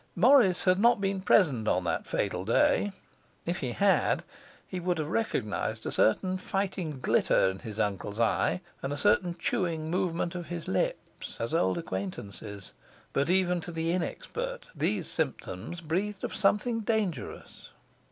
Morris had not been present on that fatal day; if he had, he would have recognized a certain fighting glitter in his uncle's eye, and a certain chewing movement of his lips, as old acquaintances. But even to the inexpert these symptoms breathed of something dangerous.